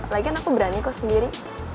lagian aku berani kok sendiri